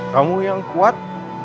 kamu yang kuat